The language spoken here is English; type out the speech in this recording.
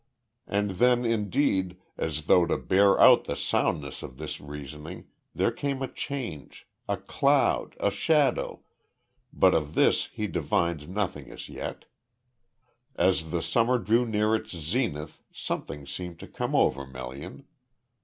And then, indeed, as though to bear out the soundness of this reasoning, there came a change a cloud, a shadow but of this he divined nothing as yet. As the summer drew near its zenith something seemed to come over Melian.